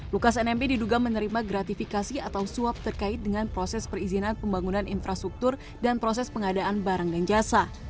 lukas nmb diduga menerima gratifikasi atau suap terkait dengan proses perizinan pembangunan infrastruktur dan proses pengadaan barang dan jasa